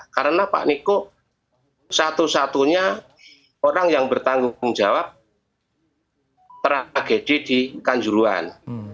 karena pak niko satu satunya orang yang bertanggung jawab tragedi di kanjuruan